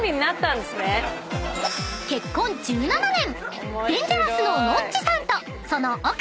［結婚１７年］